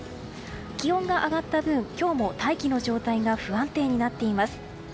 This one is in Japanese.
気温が上がった分、今日も大気の状態が不安定になっています。